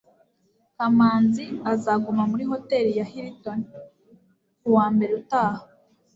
kamanzi azaguma muri hotel ya hilton kuwa mbere utaha